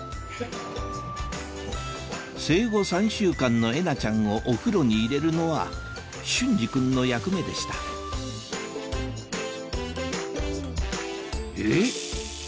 生後３週間のえなちゃんをお風呂に入れるのは隼司君の役目でしたえっ？